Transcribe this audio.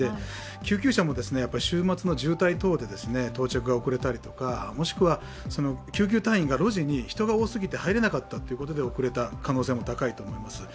救急車も週末の渋滞等で到着が遅れたとか、もしくは、救急隊員に路地に人が多すぎて入れなかったことで遅れた可能性も高いと思います。